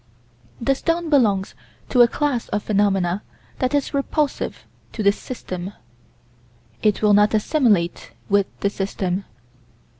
The stone belongs to a class of phenomena that is repulsive to the System. It will not assimilate with the System.